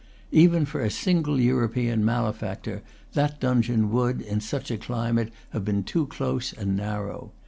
Even for a single European malefactor, that dungeon would, in such a climate, have been too close and narrow.